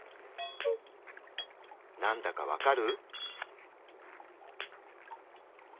なんだか分かる？